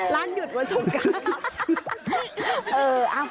ร้านหยุดวันส่งกราร